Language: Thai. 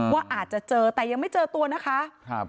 ว่าอาจจะเจอแต่ยังไม่เจอตัวนะคะ